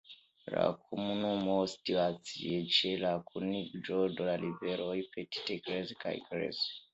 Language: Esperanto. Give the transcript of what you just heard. La komunumo situas ĉe la kuniĝo de la riveroj Petite Creuse kaj Creuse.